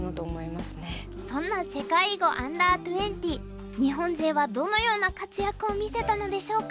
そんな世界囲碁Ｕ−２０日本勢はどのような活躍を見せたのでしょうか。